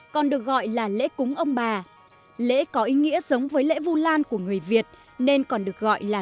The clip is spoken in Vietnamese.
còn được gọi là lễ cúng ông bà lễ có ý nghĩa giống với lễ vu lan của người việt nên còn được gọi là